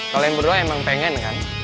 kalian berdua emang pengen kan